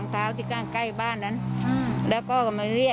ใช่แกจำอะไรไม่ได้เลย